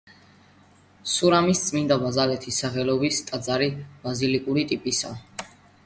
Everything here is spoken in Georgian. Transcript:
სურამის წმინდა ბარბარეს სახელობის ტაძრი ბაზილიკური ტიპისაა.